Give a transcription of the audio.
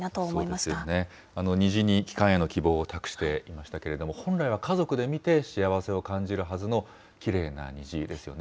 あの虹に帰還への希望を託していましたけども、本来は家族で見て、幸せを感じるはずのきれいな虹ですよね。